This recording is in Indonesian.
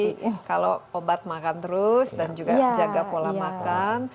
bisa hidup sehat tapi kalau obat makan terus dan juga jaga pola makan